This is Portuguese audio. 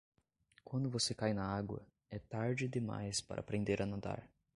Quando você cai na água, é tarde demais para aprender a nadar.